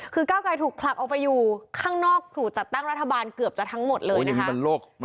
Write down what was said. คือก้าวไกลถูกผลักออกไปอยู่ข้างนอกสู่จัดตั้งรัฐบาลเกือบจะทั้งหมดเลยนะคะ